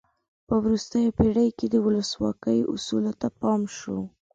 په وروستیو پیړیو کې د ولسواکۍ اصولو ته پام شو.